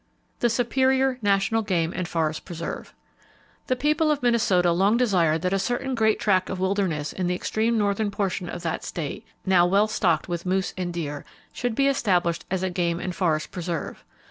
The Superior National Game And Forest Preserve. —The people of Minnesota long desired that a certain great tract of wilderness in the extreme northern portion of that state, now well stocked with moose and deer, should be established as a game and forest preserve.